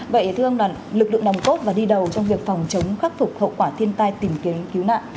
vậy thưa ông lực lượng nòng cốt và đi đầu trong việc phòng chống khắc phục hậu quả thiên tai tìm kiếm cứu nạn